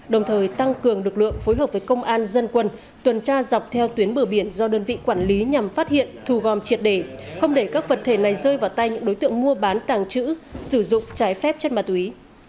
đồng thời tăng cường lực lượng phối hợp với công an dân quân tuần tra dọc theo tuyến bờ biển do đơn vị quản lý nhằm phát hiện thu gom triệt để không để các vật thể này rơi vào tay những đối tượng mua bán tàng trữ sử dụng trái phép chất ma túy